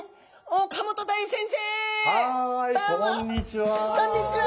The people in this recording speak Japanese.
はいこんにちは！